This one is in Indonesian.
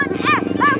eh eh apaan